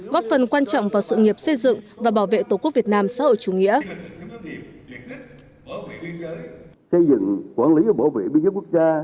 góp phần quan trọng vào sự nghiệp xây dựng và bảo vệ tổ quốc việt nam xã hội chủ nghĩa